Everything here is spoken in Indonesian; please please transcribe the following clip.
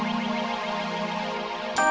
angga ibu valentine bunda